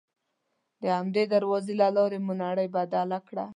د همدې دروازې له لارې مو نړۍ بدله کړه.